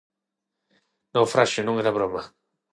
Naufraxio, e non era broma.